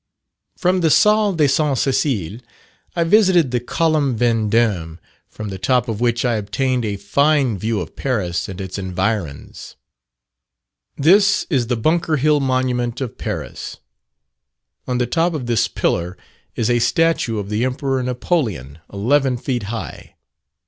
From the Salle de St. Cecile, I visited the Column Vendome, from the top of which I obtained a fine view of Paris and its environs. This is the Bunker Hill Monument of Paris. On the top of this pillar is a statue of the Emperor Napoleon, eleven feet high.